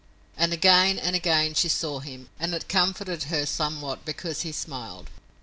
And again and again she saw him, and it comforted her somewhat because he smiled.